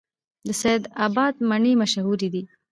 د سید اباد مڼې مشهورې دي